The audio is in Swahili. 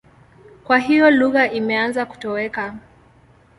Kwa hiyo lugha imeanza kutoweka.